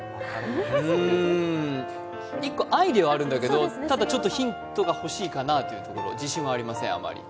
１個アイデアはあるんだけどただ、ちょっとヒントは欲しいかなというところ、自信はありません。